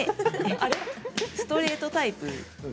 ストレートタイプ。